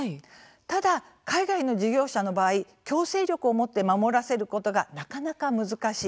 ただ、海外の事業者の場合強制力を持って守らせることがなかなか難しい。